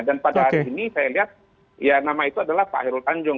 dan pada hari ini saya lihat ya nama itu adalah pak herul tanjung